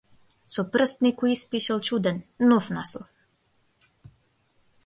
Со прст некој испишал чуден, нов наслов.